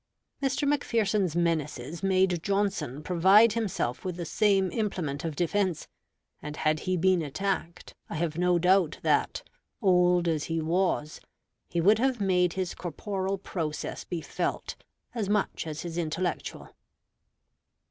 Mr. Macpherson's menaces made Johnson provide himself with the same implement of defense; and had he been attacked, I have no doubt that, old as he was, he would have made his corporal prowess be felt as much as his intellectual.